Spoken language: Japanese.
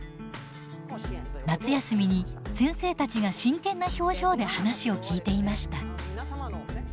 夏休みに先生たちが真剣な表情で話を聞いていました。